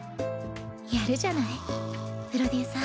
やるじゃないプロデューサー。